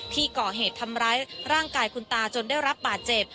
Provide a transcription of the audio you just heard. ที่ก่อเหตุทำร้ายร่างกายคุณตาจนได้รับบาดเจ็บ